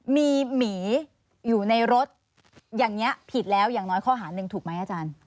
มีหมีอยู่ในรถอย่างนี้ผิดแล้วอย่างน้อยข้อหาหนึ่งถูกไหมอาจารย์